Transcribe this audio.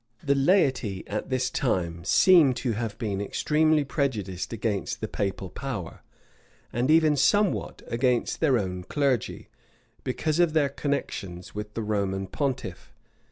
[] The laity at this time seem to have been extremely prejudiced against the papal power, and even somewhat against their own clergy, because of their connections with the Roman pontiff.